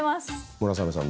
村雨さん